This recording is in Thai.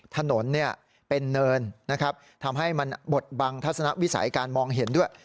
ถนนเป็นเนินนะครับทำให้มันบทบังทัศนวิสัยการมองเห็นด้วย